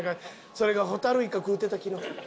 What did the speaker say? それがホタルイカ食うてた昨日。